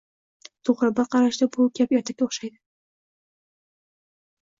To’g’ri, bir qarashda bu gap ertakka o’xshaydi